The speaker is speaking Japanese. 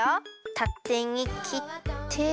たてにきって。